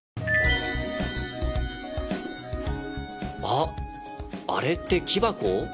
あっあれって木箱？